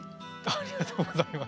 ありがとうございます。